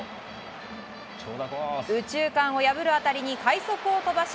右中間を破る当たりに快足を飛ばし